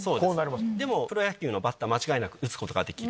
でもプロ野球のバッター間違いなく打つことができる。